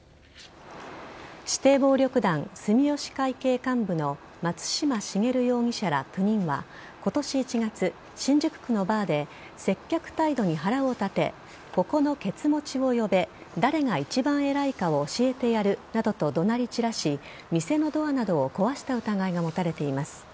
指定暴力団・住吉会系幹部の松嶋重容疑者ら９人は今年１月、新宿区のバーで接客態度に腹を立てここのケツ持ちを呼べ誰が一番偉いかを教えてやるなどと怒鳴り散らし店のドアなどを壊した疑いが持たれています。